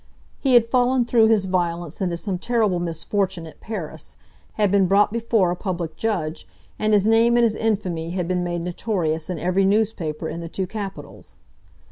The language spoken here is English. He had fallen through his violence into some terrible misfortune at Paris, had been brought before a public judge, and his name and his infamy had been made notorious in every newspaper in the two capitals.